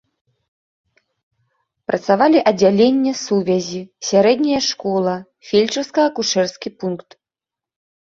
Працавалі аддзяленне сувязі, сярэдняя школа, фельчарска-акушэрскі пункт.